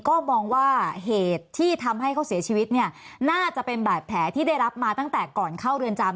ก็มองว่าเหตุที่ทำให้เขาเสียชีวิตเนี่ยน่าจะเป็นบาดแผลที่ได้รับมาตั้งแต่ก่อนเข้าเรือนจำ